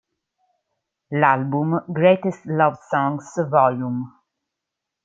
L'album "Greatest Love Songs Vol.